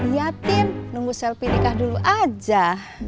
lihatin nunggu selfie nikah dulu aja